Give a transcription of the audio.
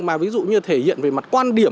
mà ví dụ như thể hiện về mặt quan điểm